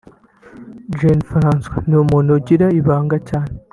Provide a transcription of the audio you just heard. Jean-François ni umuntu ugira ibanga cyane